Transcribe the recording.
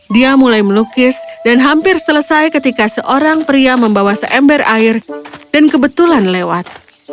dia mulai melukis dan hampir selesai ketika seorang pria membawa seember air dan kebetulan lewat